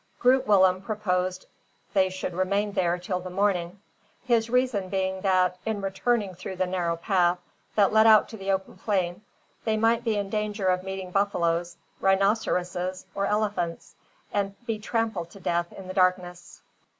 Groot Willem proposed they should remain there till the morning; his reason being that, in returning through the narrow path that led out to the open plain, they might be in danger of meeting buffaloes, rhinoceroses, or elephants, and be trampled to death in the darkness.